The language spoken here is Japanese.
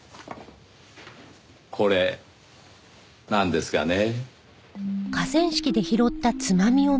これなんですがねぇ。